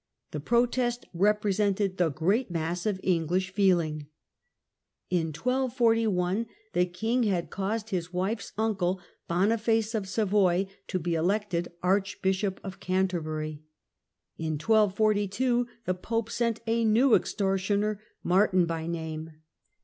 The protest represented the great mass of English feeling. In 1 241 the king had caused his wife's uncle, Boniface of Savoy, to be elected Archbishop of Canterbury. In 1 242 the pope sent " a new extortioner, Martin by name